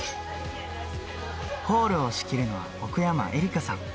ホールを仕切るのは、奥山絵里香さん。